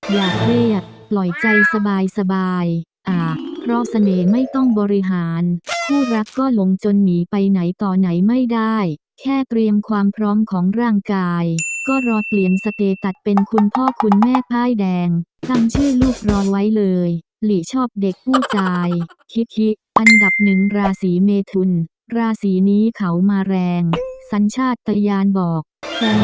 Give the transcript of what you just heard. อย่าเรียกปล่อยใจสบายเพราะเสน่ห์ไม่ต้องบริหารคู่รักก็หลงจนหนีไปไหนต่อไหนไม่ได้แค่เตรียมความพร้อมของร่างกายก็รอเปลี่ยนสเตย์ตัดเป็นคุณพ่อคุณแม่พ่ายแดงตั้งชื่อลูกรอไว้เลยหลีชอบเด็กผู้ชายคิดอันดับหนึ่งราศีเมทุนราศีนี้เขามาแรงสัญชาติตะยานบอก